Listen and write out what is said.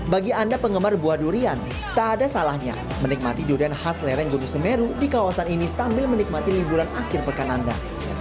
bagi anda penggemar buah durian tak ada salahnya menikmati durian khas lereng gunung semeru di kawasan ini sambil menikmati liburan akhir pekan anda